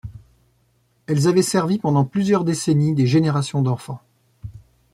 Elles avaient servi pendant plusieurs décennies des générations d'enfants.